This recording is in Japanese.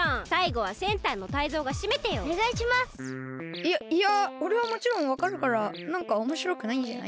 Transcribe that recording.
いやいやおれはもちろんわかるからなんかおもしろくないんじゃない？